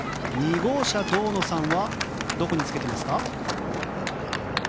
２号車、堂野さんはどこにつけていますか。